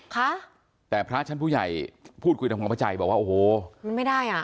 ค่ะแต่พระชั้นผู้ใหญ่พูดคุยกับของพระจัยบอกว่าโอ้โหมันไม่ได้อ่ะ